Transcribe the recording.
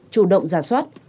chủ động giả soát